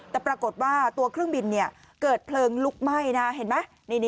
แต่ปรากฏว่าตัวเครื่องบินเกิดเพลิงลุกไหม้นะเห็นไหม